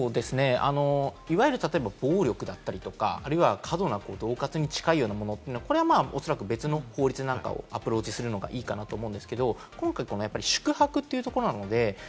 いわゆる暴力だったりとか、過度な恫喝に近いようなものというのは、おそらく別の法律なんかでアプローチするのがいいと思うんですけれども、今回は宿泊ということなので。